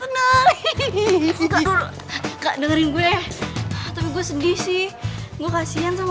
mayanku selalu usik hatiku